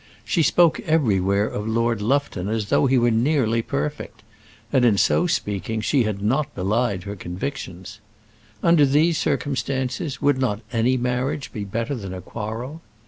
She spoke everywhere of Lord Lufton as though he were nearly perfect, and in so speaking, she had not belied her convictions. Under these circumstances, would not any marriage be better than a quarrel?